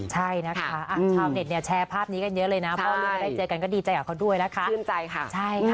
ชาวเน็ตแชร์ภาพนี้กันเยอะเลยนะ